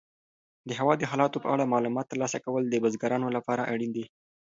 د هوا د حالاتو په اړه معلومات ترلاسه کول د بزګرانو لپاره اړین دي.